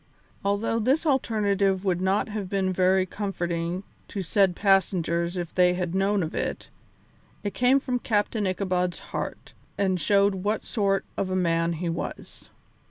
Although this alternative would not have been very comforting to said passengers if they had known of it, it came from Captain Ichabod's heart, and showed what sort of a man he was.